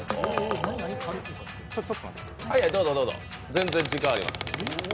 全然時間あります。